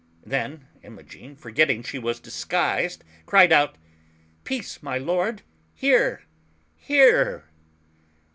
Then Imogen, forgetting she was disguised, cried out, *Teace. my lord — here, here!